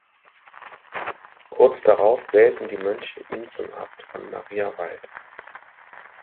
Kurz darauf wählten die Mönche ihn zum Abt von Mariawald.